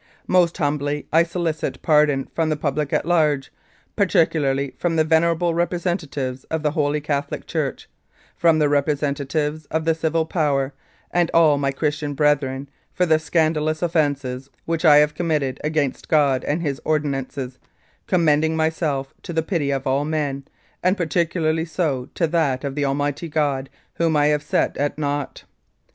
"Most humbly I solicit pardon from the public at large, particularly from the venerable representatives of the Holy Catholic Church, from the representatives of the Civil Power and all my Christian brethren, for the scandalous offences which I have committed against God and His Ordinances, commending myself to the pity of all men, and particularly so to that of the Almighty God Whom I have set at naught.